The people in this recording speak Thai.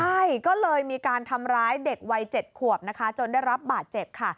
ใช่ก็เลยมีการทำร้ายเด็กวัย๗ขวบนะคะจนได้รับบาดเจ็บค่ะ